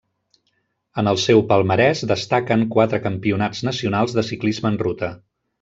En el seu palmarès destaquen quatre campionats nacionals de ciclisme en ruta.